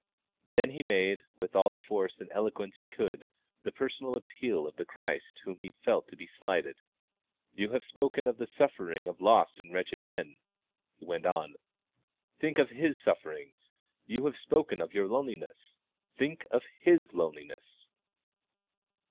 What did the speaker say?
Then he made, with all the force and eloquence he could, the personal appeal of the Christ whom he felt to be slighted. "You have spoken of the sufferings of lost and wretched men," he went on; "think of His sufferings! You have spoken of your loneliness; think of His loneliness!"